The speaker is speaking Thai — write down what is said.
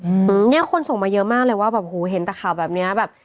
อืมเนี้ยคนส่งมาเยอะมากเลยว่าแบบโหเห็นแต่ข่าวแบบเนี้ยแบบ